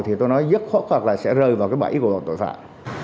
thì tôi nói dứt khoát là sẽ rơi vào cái bẫy của bọn tội phạm